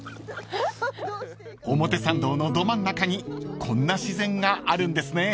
［表参道のど真ん中にこんな自然があるんですね］